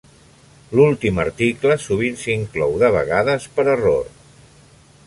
L'últim article sovint s'inclou, de vegades per error.